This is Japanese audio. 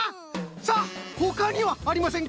さあほかにはありませんか？